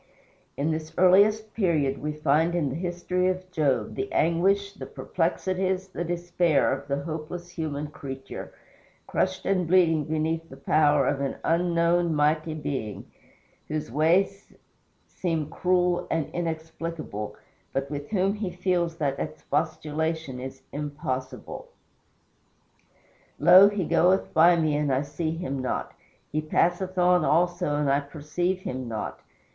In this earliest period we find in the history of Job the anguish, the perplexities, the despair of the helpless human creature, crushed and bleeding beneath the power of an unknown, mighty Being, whose ways seem cruel and inexplicable, but with whom he feels that expostulation is impossible: "Lo, he goeth by me and I see him not; he passeth on also and I perceive him not.